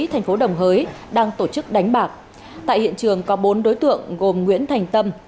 thành phố đồng hới đang tổ chức đánh bạc tại hiện trường có bốn đối tượng gồm nguyễn thành tâm